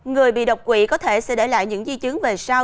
người bị độc quỷ có thể sẽ để lại những di chứng về sau